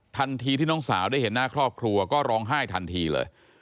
ทันทีที่น้องสาวได้เห็นหน้าครอบครัวก็ร้องไห้ทันทีเลย